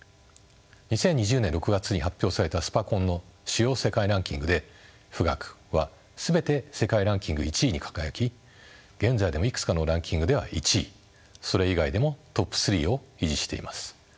２０２０年６月に発表されたスパコンの主要世界ランキングで富岳は全て世界ランキング１位に輝き現在でもいくつかのランキングでは１位それ以外でもトップ３を維持しています。